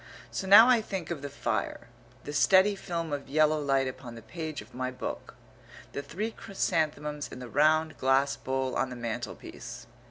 So now I think of the fire; the steady film of yellow light upon the page of my book; the three chrysanthemums in the round glass bowl on the mantelpiece.